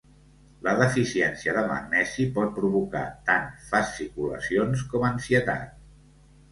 La deficiència de magnesi pot provocar tant fasciculacions com ansietat.